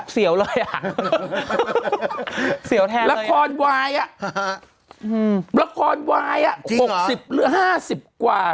เสียวเลยอ่ะเสียวแทนเลยละครวายอ่ะ๖๐หรือ๕๐กว่า